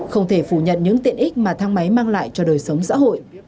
không thể phủ nhận những tiện ích mà thang máy mang lại cho đời sống xã hội